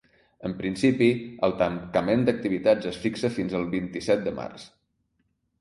En principi, el tancament d’activitats es fixa fins el vint-i-set de març.